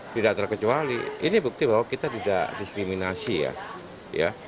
tidak terkecuali ini bukti bahwa kita tidak diskriminasi ya